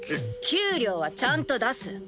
給料はちゃんと出す。